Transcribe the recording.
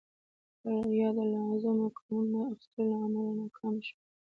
یا د لازمو ګامونو نه اخیستو له امله ناکام شول.